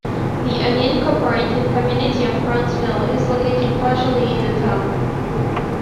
The unincorporated community of Brownville is located partially in the town.